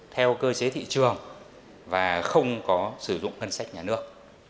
theo cơ chế thị trường và không có sử dụng ngân sách nhà nước